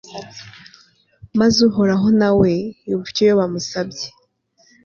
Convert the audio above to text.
maze uhoraho na we yumva icyo yobu amusabye